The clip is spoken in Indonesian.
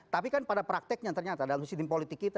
tapi kan pada prakteknya ternyata dalam sistem politik kita